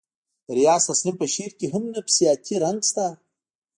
د ریاض تسنیم په شعر کې هم نفسیاتي رنګ شته